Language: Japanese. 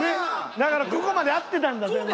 だからここまで合ってたんだ全部。